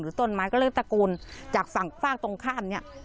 หรือต้นไม้ก็เลยตะกูลจากฝากตรงข้ามนี่